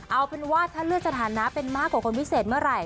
เอาเป็นว่าถ้าเลือกสถานะเป็นมากกว่าคนพิเศษเมื่อไหร่